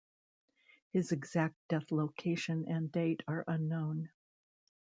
His exact death location and date are unknown.